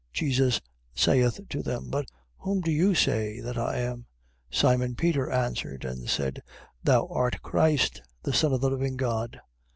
16:15. Jesus saith to them: But whom do you say that I am? 16:16. Simon Peter answered and said: Thou art Christ, the Son of the living God.